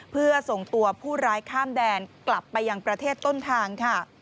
เพื่อส่งตัวผู้ร้ายข้ามแดนกลับไปยังประเทศต้นทางค่ะ